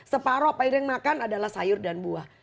separuh apa yang dimakan adalah sayur dan buah